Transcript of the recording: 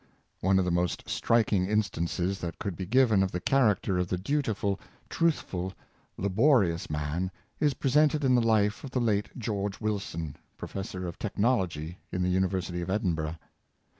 One of the most striking instances that could be given of the character of the dutiful, truthful, laborious man, is presented in the life of the late George Wilson, professor of Technology in the University of Edinburgh.